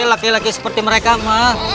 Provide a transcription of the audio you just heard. laki laki seperti mereka mah